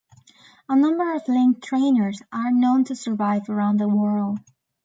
A number of Link Trainers are known to survive around the world.